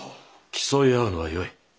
競い合うのはよい。